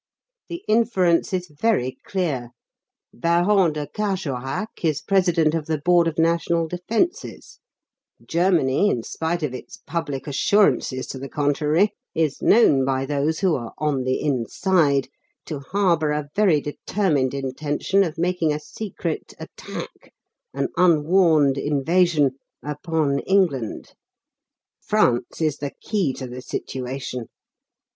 The inference is very clear: Baron de Carjorac is President of the Board of National Defences; Germany, in spite of its public assurances to the contrary, is known by those who are 'on the inside' to harbour a very determined intention of making a secret attack, an unwarned invasion, upon England. France is the key to the situation.